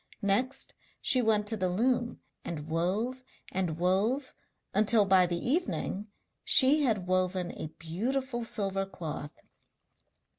Next she went to the loom and wove and wove until by the evening she had woven a beautiful silver cloth.